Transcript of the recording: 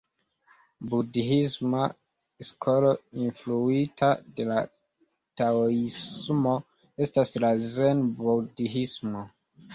Budhisma skolo influita de la taoismo estas la zen-budhismo.